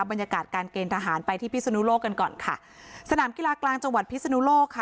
บรรยากาศการเกณฑ์ทหารไปที่พิศนุโลกกันก่อนค่ะสนามกีฬากลางจังหวัดพิศนุโลกค่ะ